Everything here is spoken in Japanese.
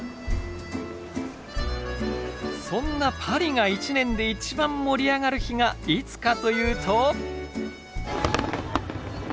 そんなパリが一年で一番盛り上がる日がいつかというと。